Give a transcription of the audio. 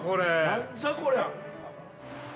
◆なんじゃこりゃ！